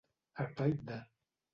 A tall de.